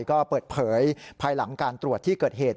ก็เปิดเผยภายหลังการตรวจที่เกิดเหตุ